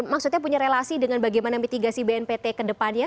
maksudnya punya relasi dengan bagaimana mitigasi bnpt kedepannya